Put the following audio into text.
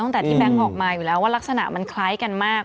ตั้งแต่ที่แบงค์ออกมาอยู่แล้วว่ารักษณะมันคล้ายกันมาก